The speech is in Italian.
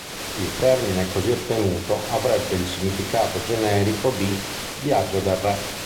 Il termine così ottenuto avrebbe il significato generico di "Viaggio del re".